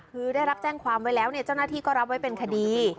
คือได้รับแจ้งความไว้แล้วเนี่ยเจ้าหน้าที่ก็รับไว้เป็นคดี